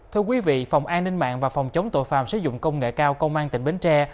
thưa quý vị phòng an ninh mạng và phòng chống tội phạm sử dụng công nghệ cao công an tỉnh bến tre